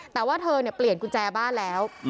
แต่ว่าเธอเปลี่ยนกุญแจบ้านแล้ว